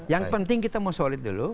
yang penting kita mau solid dulu